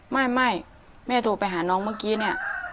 ไม่แม่โทรไปหาน้องเมื่อกี้เนี่ย